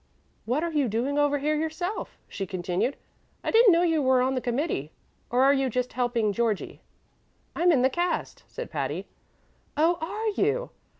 What are you doing over here yourself?" she continued. "I didn't know you were on the committee. Or are you just helping Georgie?" "I'm in the cast," said Patty. "Oh, are you?